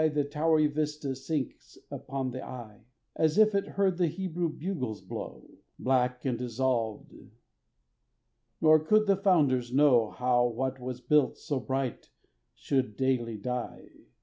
The towery vista sinks upon the eye, As if it heard the Hebrew bugles blow, Black and dissolved; nor could the founders know How what was built so bright should daily die.